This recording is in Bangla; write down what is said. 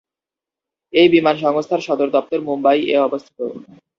এই বিমান সংস্থার সদর দপ্তর মুম্বাই এ অবস্থিত।